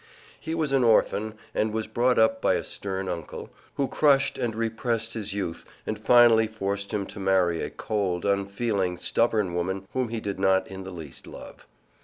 He was an orphan, and was brought up by a stern uncle, who crushed and repressed his youth and finally forced him to marry a cold, unfeeling, stubborn woman whom he did not in the least love.